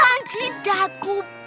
uang tidak kuping